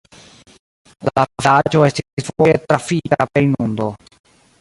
La vilaĝo estis dufoje trafita per inundo.